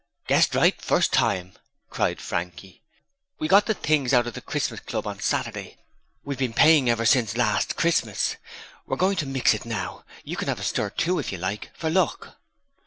'Guessed right first time!' cried Frankie. 'We got the things out of the Christmas Club on Saturday. We've been paying in ever since last Christmas. We're going to mix it now, and you can have a stir too if you like, for luck.'